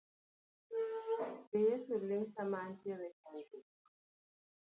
Be Yeso ling sama antiere e chandruok